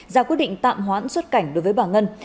ra quyết định tạm hoãn xuất cảnh đối với bà ngân